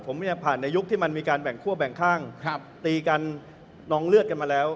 ผมเนี่ยผ่านในยุคที่มันมีการแบ่งคั่วแบ่งข้างตีกันนองเลือดกันมาแล้ว